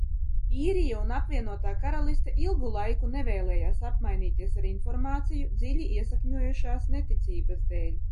Īrija un Apvienotā Karaliste ilgu laiku nevēlējās apmainīties ar informāciju dziļi iesakņojušās neticības dēļ.